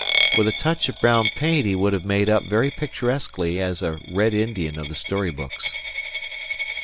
With a touch of brown paint he would have made up very picturesquely as a Red Indian of the story books.